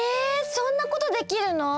そんなことできるの？